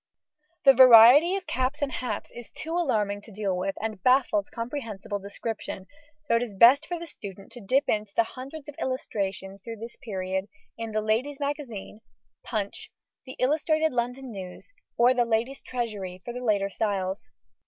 ] The variety of caps and hats is too alarming to deal with, and baffles comprehensible description, so it is best for the student to dip into the hundreds of illustrations through this period in the Ladies' Magazine, Punch, the Illustrated London News, or the Ladies' Treasury for the later styles.